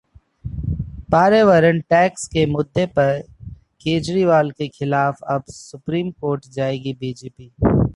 पर्यावरण टैक्स के मुद्दे पर केजरीवाल के खिलाफ अब सुप्रीम कोर्ट जाएगी बीजेपी